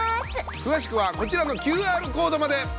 詳しくはこちらのＱＲコードまで！